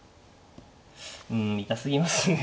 うん痛すぎますね。